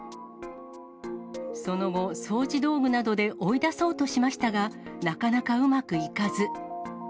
その後、掃除道具などで追い出そうとしましたが、なかなかうまくいかず。